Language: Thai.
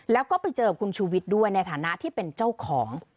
แล้วก็ไปเจอคุณชูวิทย์ด้วยในฐานะที่เป็นเจ้าของ